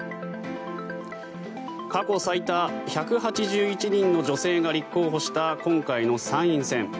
過去最多、１８１人の女性が立候補した今回の参院選。